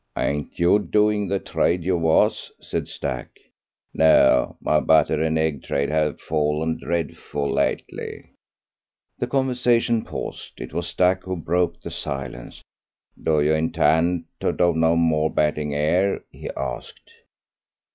"Ain't you doing the trade you was?" said Stack. "No, my butter and egg trade have fallen dreadful lately." The conversation paused. It was Stack who broke the silence. "Do you intend to do no more betting 'ere?" he asked.